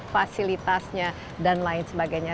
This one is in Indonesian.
fasilitasnya dan lain sebagainya